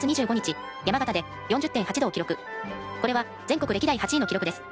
これは全国歴代８位の記録です。